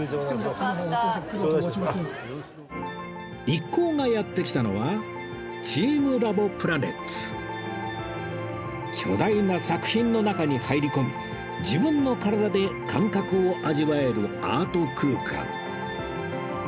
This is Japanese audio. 一行がやって来たのは巨大な作品の中に入り込み自分の体で感覚を味わえるアート空間